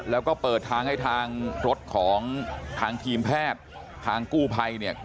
แล้วก็เปิดทางให้ทางรถของทางทีมแพทย์ทางกู้ภัยเนี่ย